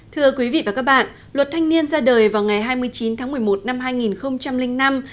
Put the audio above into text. thưa quý vị và các bạn luật thanh niên ra đời vào ngày hai mươi chín tháng một mươi một năm hai nghìn năm